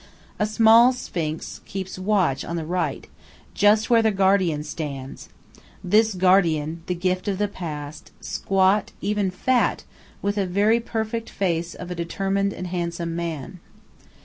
A small sphinx keeps watch on the right, just where the guardian stands; this guardian, the gift of the past, squat, even fat, with a very perfect face of a determined and handsome man.